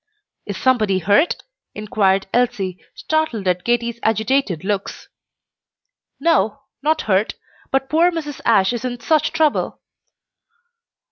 "Is somebody hurt?" inquired Elsie, startled at Katy's agitated looks. "No, not hurt, but poor Mrs. Ashe is in such trouble."